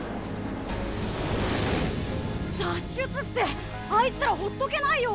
脱出ってあいつらほっとけないよ。